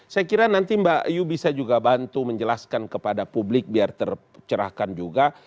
saya kira nanti mbak ayu bisa juga bantu menjelaskan kepada publik biar tercerahkan juga